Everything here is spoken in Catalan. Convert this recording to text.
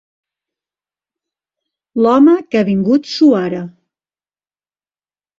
L'home que ha vingut suara.